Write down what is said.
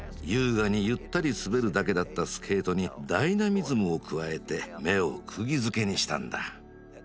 優雅にゆったり滑るだけだったスケートにダイナミズムを加えて目をくぎづけにしたんだ。